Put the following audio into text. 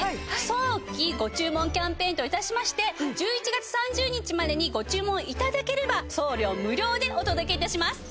早期ご注文キャンペーンと致しまして１１月３０日までにご注文頂ければ送料無料でお届け致します。